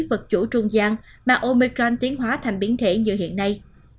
vật chủ trung gian mà omecran tiến hóa thành biến thể như hiện nay